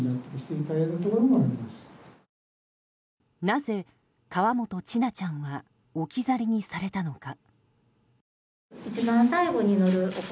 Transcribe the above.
なぜ河本千奈ちゃんは置き去りにされたのか。